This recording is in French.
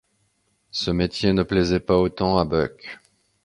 Ce métier ne plaisait pas autant à Buck.